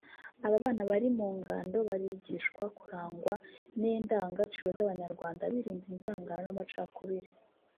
Aba bana bari mu ngando barigishwa kurangwa n’indangagaciro z’Abanyarwanda birinda inzangano n’amacakubiri